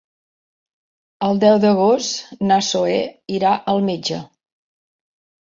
El deu d'agost na Zoè irà al metge.